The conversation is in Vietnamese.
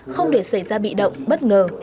không để xảy ra bị động bất ngờ